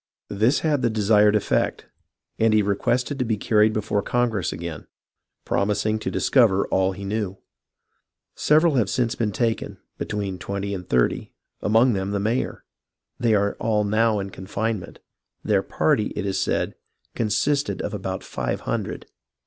This had the desired effect ; and he requested to be carried before Congress again, promising to dis cover all he knew. Several have since been taken, be tween twenty and thirty, among them the mayor. They are all now in confinement. Their party, it is said, con sisted of about iive hundred."